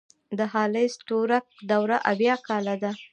د هالی ستورک دوره اويا کاله ده.